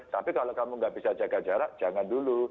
tapi kalau kamu nggak bisa jaga jarak jangan dulu